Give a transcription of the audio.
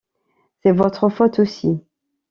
C’est votre faute aussi.